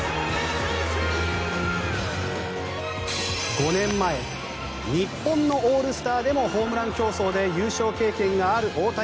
５年前日本のオールスターでもホームラン競争で優勝経験がある大谷。